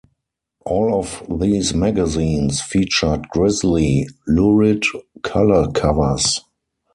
All of these magazines featured grisly, lurid color covers.